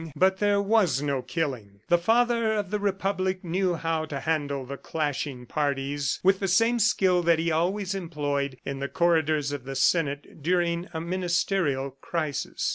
But there was no killing. The Father of the Republic knew how to handle the clashing parties, with the same skill that he always employed in the corridors of the Senate during a ministerial crisis.